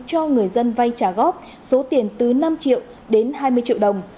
cho người dân vay trả góp số tiền từ năm triệu đến hai mươi triệu đồng